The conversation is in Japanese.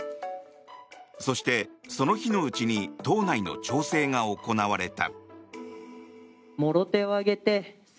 そして、その日のうちに党内の調整が行われた。